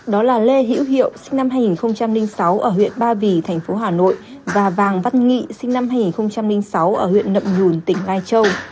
đó là lê hữu hiệu sinh năm hai nghìn sáu ở huyện ba vì thành phố hà nội và vàng văn nghị sinh năm hai nghìn sáu ở huyện nậm nhùn tỉnh lai châu